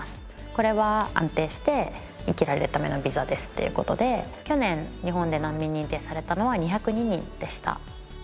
これは安定して生きられるためのビザですっていう事で去年日本で難民認定されたのは２０２人でした。